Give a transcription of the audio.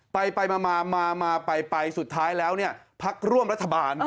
ไปมาไปสุดท้ายแล้วพักร่วมรัฐบาล